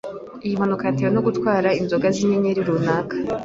Iyi mpanuka yatewe no gutwara inzoga zinyenyeri runaka.